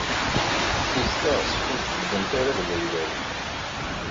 Tikta-s ur teddunt ara d wayla-w.